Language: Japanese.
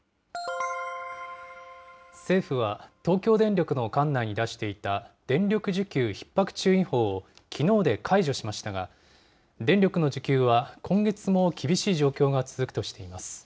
政府は、東京電力の管内に出していた電力需給ひっ迫注意報をきのうで解除しましたが、電力の需給は今月も厳しい状況が続くとしています。